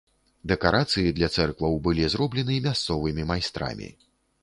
Дэкарацыі для цэркваў былі зроблены мясцовымі майстрамі.